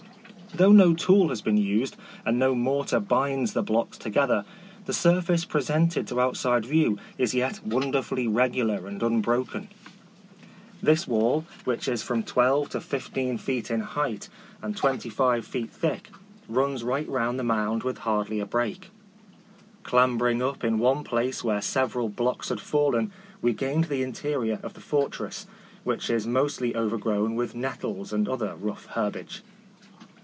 Though no tool has been used, and no mortar binds the blocks to gether, the surface presented to out side view is yet wonderfully regu lar and unbroken. This wall, which is from 12 to 15 feet in height, and 25 feet thick, runs right round the mound with hardly a break. Clam bering up in one place where sev eral blocks had fallen, we gained 1878.] A Hide across the Peloponnese. 569 the interior of the fortress, which is mostly overgrown with nettles and other rough herbage.